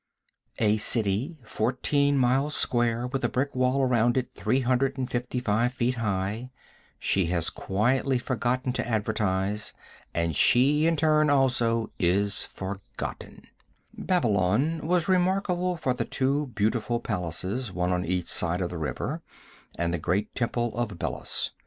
A city fourteen miles square with a brick wall around it 355 feet high, she has quietly forgotten to advertise, and in turn she, also, is forgotten. Babylon was remarkable for the two beautiful palaces, one on each side of the river, and the great temple of Belus.